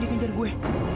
dia kenjar gue